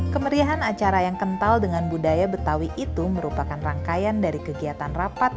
kemeriahan acara yang kental dengan budaya betawi itu merupakan rangkaian dari kegiatan rapat